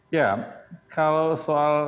ya kalau soal